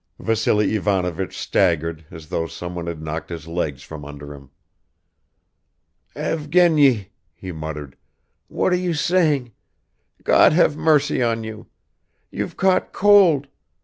Vassily Ivanovich staggered as though someone had knocked his legs from under him. "Evgeny," he muttered, "what are you saying? God have mercy on you! You've caught cold ..